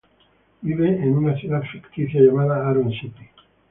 Vive en una ciudad ficticia llamada Aron City.